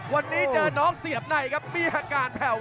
วันนี้เจอน้องเสียบในครับมีอาการแผ่ว